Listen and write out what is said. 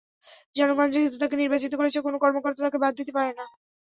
জনগণ যেহেতু তাঁকে নির্বাচিত করেছে, কোনো কর্মকর্তা তাঁকে বাদ দিতে পারেন না।